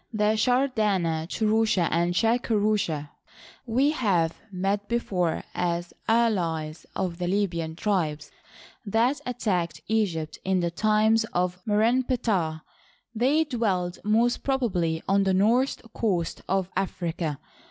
The Shardana, Turusha, and Shakarusha we have met be fore as allies of the Libyan tribes that attacked Egypt in the times of Mer en Ptah. They dwelt most probably on the north coast of Africa.